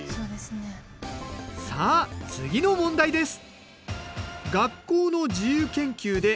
さあ次の問題です。